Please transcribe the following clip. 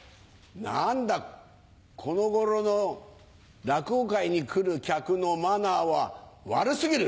何だこの頃の落語会に来る客のマナーは悪過ぎる！